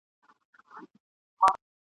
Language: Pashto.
نه به یې د ستورو غاړګۍ درته راوړې وي !.